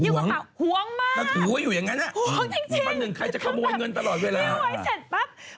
ห่วงถ้าถือว่าอยู่อย่างนั้นมีบ้านหนึ่งใครจะขโมยเงินตลอดเวลาห่วงมากห่วงจริง